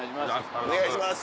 お願いします。